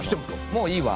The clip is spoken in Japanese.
もういいわ。